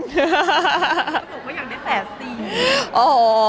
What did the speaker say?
สมมติว่าอยากได้แปดสี่